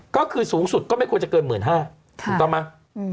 ก็คือสูงสุดก็ไม่ควรจะเกิน๑๕๐๐ถูกต้องไหม